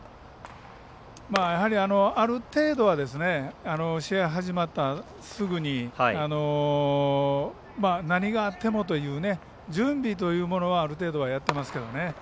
ある程度は試合始まったすぐになにがあってもという準備というものはある程度はやってますけどね。